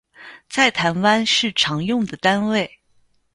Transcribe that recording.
在台湾是常用的单位